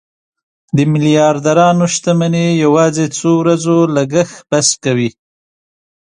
د میلیاردرانو شتمني یوازې څو ورځو لګښت بس کوي.